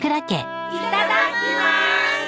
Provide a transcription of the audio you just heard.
いただきます。